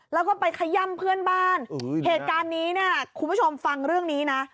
แล้วก็ไปขย่ำเพื่อนบ้านเหตุการณ์นี้เนี่ยคุณผู้ชมฟังเรื่องนี้นะ